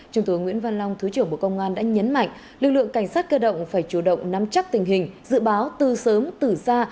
trung tướng nguyễn văn long thứ trưởng bộ công an đã nhấn mạnh lực lượng cảnh sát cơ động phải chủ động nắm chắc tình hình dự báo từ sớm từ xa